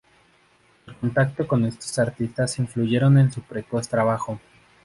El contacto con estos artistas influyeron en su precoz trabajo.